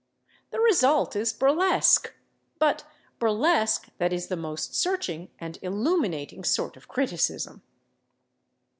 The result is burlesque, but burlesque that is the most searching and illuminating sort of criticism.